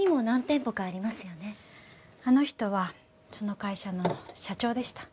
あの人はその会社の社長でした。